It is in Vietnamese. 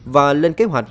và lên kế hoạch